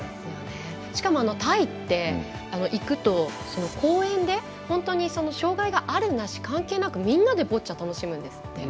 しかもタイって行くと公園で障がいがあるなし関係なしにみんなでボッチャ楽しむんですって。